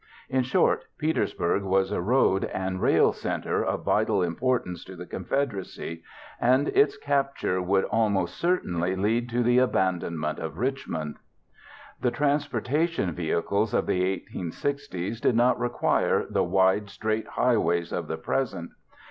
In short, Petersburg was a road and rail center of vital importance to the Confederacy, and its capture would almost certainly lead to the abandonment of Richmond. The transportation vehicles of the 1860's did not require the wide, straight highways of the present.